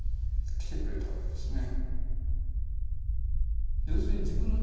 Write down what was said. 来てくれたわけですね。